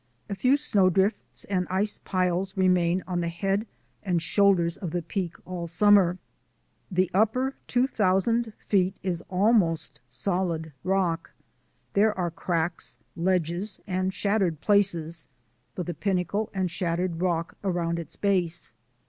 A few snow drifts and ice piles remain on the head and shoulders of the Peak all summer. The upper two thousand feet is almost solid rock; there are cracks, ledges, and shattered places, with a pin nacle and shattered rock around its base.